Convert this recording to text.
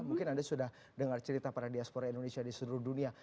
mungkin anda sudah dengar cerita para diaspora indonesia di seluruh dunia